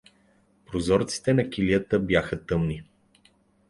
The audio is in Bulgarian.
Прозорците на килията бяха тъмни.